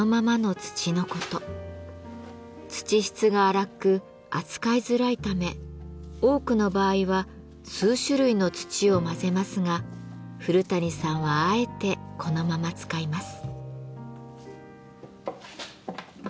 土質が粗く扱いづらいため多くの場合は数種類の土を混ぜますが古谷さんはあえてこのまま使います。